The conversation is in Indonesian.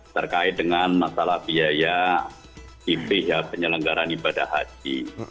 terkait dengan masalah biaya kipi ya penyelenggaran ibadah haji